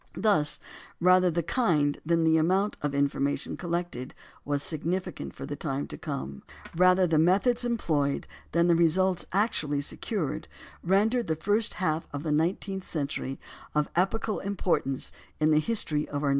Thus, rather the kind than the amount of information collected was significant for the time to come rather the methods employed than the results actually secured rendered the first half of the nineteenth century of epochal importance in the history of our knowledge of the stars.